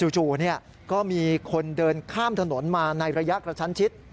จู่ก็มีคนเดินข้ามถนนมาในระยะกระชั้นชิด